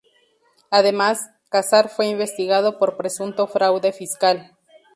Además, Kassar fue investigado por presunto fraude fiscal.